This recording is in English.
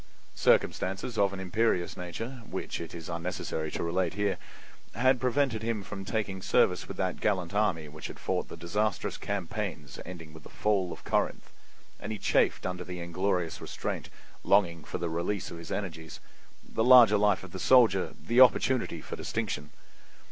Circumstances of an imperious nature, which it is unnecessary to relate here, had prevented him from taking service with that gallant army which had fought the disastrous campaigns ending with the fall of Corinth, and he chafed under the inglorious restraint, longing for the release of his energies, the larger life of the soldier, the opportunity for distinction.